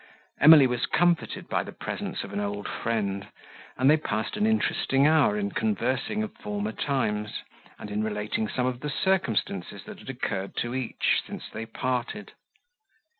Emily was comforted by the presence of an old friend, and they passed an interesting hour in conversing of former times, and in relating some of the circumstances, that had occurred to each, since they parted.